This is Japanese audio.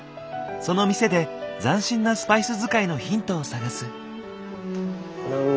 その店で斬新なスパイス使いのヒントを探す。